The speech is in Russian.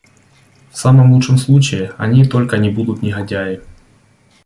В самом лучшем случае они только не будут негодяи.